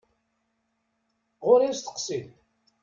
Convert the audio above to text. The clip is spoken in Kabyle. Ɣur-i asteqsi!